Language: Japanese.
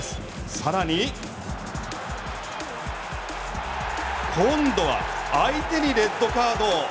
さらに今度は相手にレッドカード。